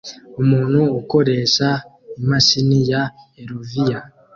Umuntu ukoresha imashini ya Erovia